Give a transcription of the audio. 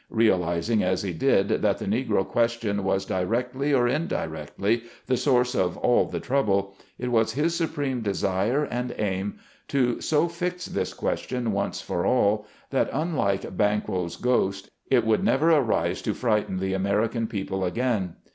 Realizing as he did, that the Negro question was directly or indirectly the source of all the trouble, it was his supreme desire and aim, to so fix this question once for all, that unlike Bancho's Ghost, it would never arise to frighten the American people again.